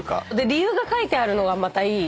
理由が書いてあるのがまたいい。